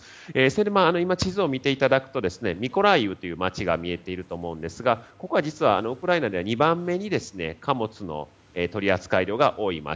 それで地図を見ていただくとミコライウという街が見えますがここはウクライナで２番目に貨物の取扱量が多い街。